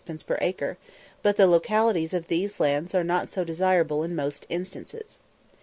_ per acre, but the localities of these lands are not so desirable in most instances.